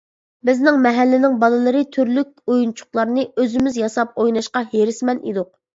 بىزنىڭ مەھەللىنىڭ بالىلىرى تۈرلۈك ئويۇنچۇقلارنى ئۆزىمىز ياساپ ئويناشقا ھېرىسمەن ئىدۇق.